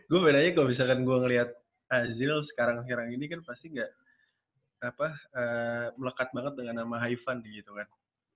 gua bedanya kalo misalkan gua ngeliat azil sekarang kirang ini kan pasti gak melekat banget dengan ama haifan gitu kan